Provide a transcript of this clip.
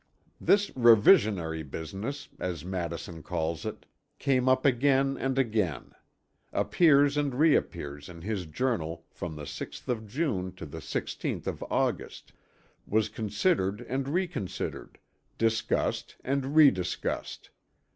"This 'revisionary business,' as Madison calls it, came up again and again; appears and reappears in his Journal from the 6th of June to the 16th of August; was considered and reconsidered, discussed and rediscussed.